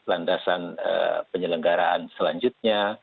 landasan penyelenggaraan selanjutnya